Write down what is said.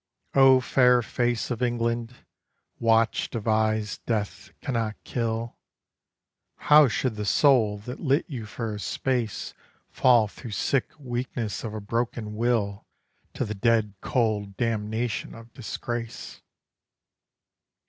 O fair face Of England, watched of eyes death cannot kill, How should the soul that lit you for a space Fall through sick weakness of a broken will To the dead cold damnation of disgrace?